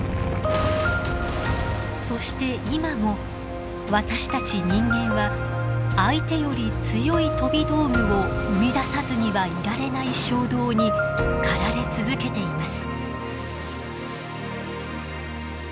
そして今も私たち人間は相手より強い飛び道具を生み出さずにはいられない衝動に駆られ続けています。